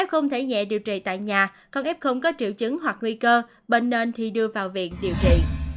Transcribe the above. f thể nhẹ điều trị tại nhà còn f có triệu chứng hoặc nguy cơ bệnh nên thì đưa vào viện điều trị